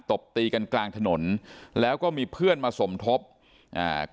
ตบตีกันกลางถนนแล้วก็มีเพื่อนมาสมทบอ่า